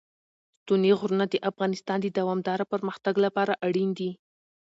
ستوني غرونه د افغانستان د دوامداره پرمختګ لپاره اړین دي.